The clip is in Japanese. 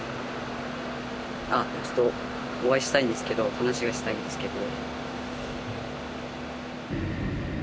あっちょっとお会いしたいんですけど話がしたいんですけど。